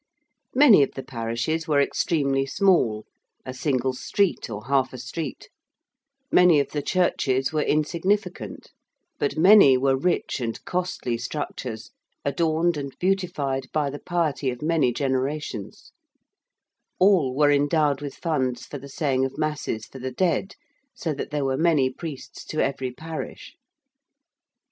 Many of the parishes were extremely small a single street or half a street: many of the churches were insignificant: but many were rich and costly structures, adorned and beautified by the piety of many generations: all were endowed with funds for the saying of masses for the dead, so that there were many priests to every parish.